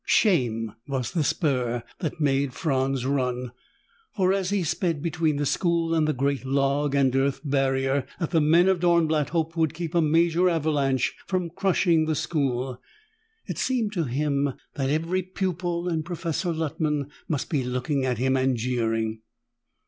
Shame was the spur that made Franz run, for as he sped between the school and the great log and earth barrier that the men of Dornblatt hoped would keep a major avalanche from crushing the school, it seemed to him that every pupil and Professor Luttman must be looking at him and jeering.